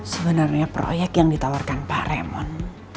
sebenarnya proyek yang ditawarkan pak remon